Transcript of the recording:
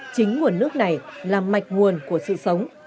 chính nguồn nước này là mạch nguồn của sự sống